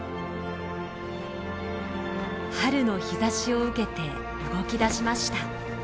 春の日ざしを受けて動き出しました。